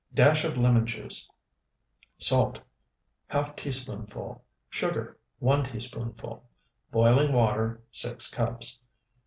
Dash of lemon juice. Salt, ½ teaspoonful. Sugar, 1 teaspoonful. Boiling water, 6 cups.